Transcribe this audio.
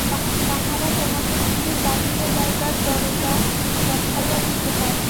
তাঁহারা তোমাকে শুধু বাহিরে যাইবার দরজা দেখাইয়া দিতে পারেন।